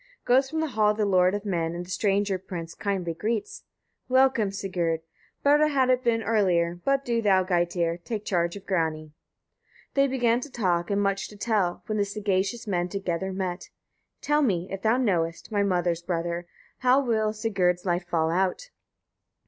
5. Goes from the hall the lord of men, and the stranger prince kindly greets: "Welcome, Sigurd! better had it been earlier: but do thou, Geitir! take charge of Grani." 6. They began to talk, and much to tell, when the sagacious men together met. "Tell me, if thou knowest, my mother's brother! how will Sigurd's life fall out?"